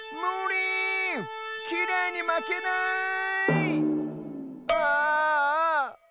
きれいにまけない！ああ。